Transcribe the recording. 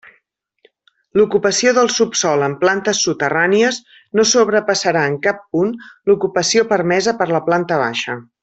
L'ocupació del subsòl en plantes soterrànies no sobrepassarà en cap punt l'ocupació permesa per a la planta baixa.